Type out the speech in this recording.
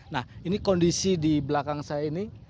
nah ini kondisi di belakang saya ini